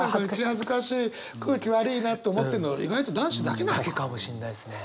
恥ずかしい空気悪いなと思ってんの意外と男子だけなのかも。だけかもしんないですね。